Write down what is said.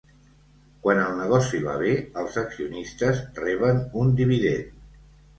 Quan el negoci va bé, els accionistes reben un dividend.